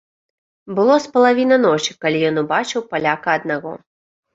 Было з палавіна ночы, калі ён убачыў паляка аднаго.